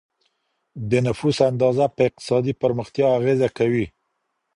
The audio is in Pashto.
د نفوس اندازه په اقتصادي پرمختیا اغېزه کوي.